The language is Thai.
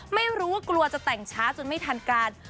ไม่รู้ว่ากลัวจะแต่งช้าจนไม่ทันการ